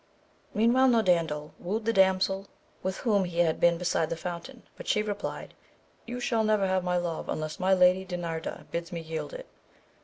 Meantime Norandel wooed the damsel with whom he had been beside the fountain, but she replied, you shall never have my love unless my Lady Dinarda bids me yield it.